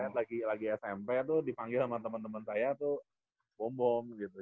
saya lagi smp tuh dipanggil sama temen temen saya tuh bom bom gitu